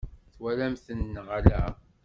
Twalamt-ten neɣ ala?